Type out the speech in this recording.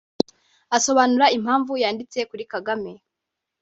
Asobanura impamvu yanditse kuri Kagame